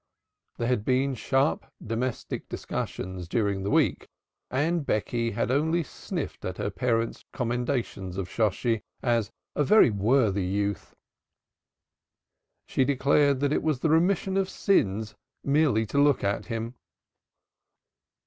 There had been sharp domestic discussions during the week, and Becky had only sniffed at her parents' commendations of Shosshi as a "very worthy youth." She declared that it was "remission of sins merely to look at him."